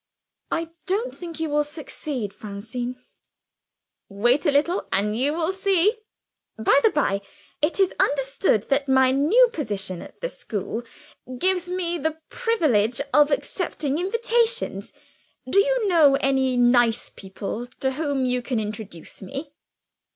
"I don't think you will succeed, Francine." "Wait a little, and you will see. By the by, it is understood that my new position at the school gives me the privilege of accepting invitations. Do you know any nice people to whom you can introduce me?"